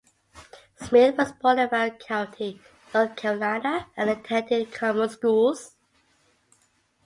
Smith was born in Warren County, North Carolina and attended the common schools.